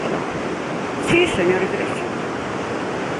Perdón, ¿si, señor Igrexa?